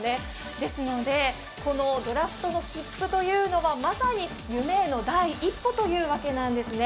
ですのでドラフトの切符というのはまさに夢への第一歩というわけなんです。